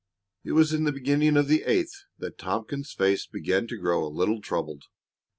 It was in the beginning of the eighth that Tompkins's face began to grow a little troubled.